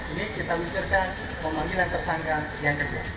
ini kita luncurkan pemanggilan tersangka yang kedua